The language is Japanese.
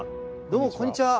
どうもこんにちは。